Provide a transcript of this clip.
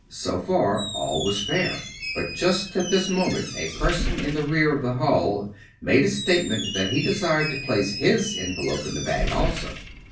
So far all was fair; but just at this moment a person in the rear of the hall made the statement that he desired to place his en velope in the bag also.